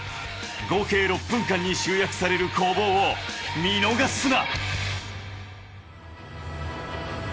合計６分間に集約される攻防を見逃すな。